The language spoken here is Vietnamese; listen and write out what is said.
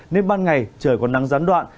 nên ban ngày trời còn nắng rắn đoạn